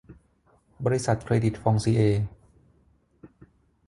บริษัทเครดิตฟองซิเอร์